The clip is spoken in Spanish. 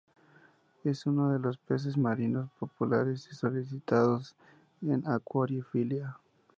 Es uno de los peces marinos populares y solicitados en acuariofilia.